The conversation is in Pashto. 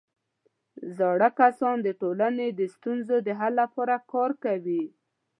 زاړه کسان د ټولنې د ستونزو د حل لپاره کار کوي